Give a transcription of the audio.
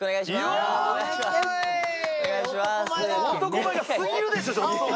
男前がすぎるでしょ！